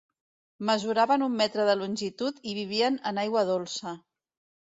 Mesuraven un metre de longitud i vivien en aigua dolça.